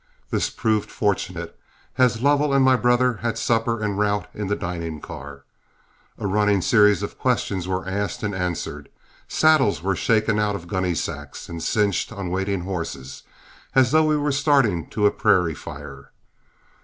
This proved fortunate, as Lovell and my brother had supper en route in the dining car. A running series of questions were asked and answered; saddles were shaken out of gunny sacks and cinched on waiting horses as though we were starting to a prairie fire.